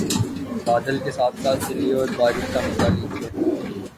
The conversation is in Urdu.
بادل کے ساتھ ساتھ چلیے اور بارش کا مزہ لیجئے